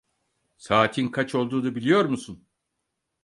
Saatin kaç olduğunu biliyor musun?